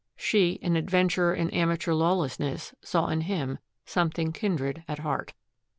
She, an adventurer in amateur lawlessness saw in him something kindred at heart.